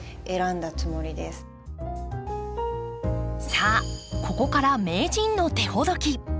さあここから名人の手ほどき。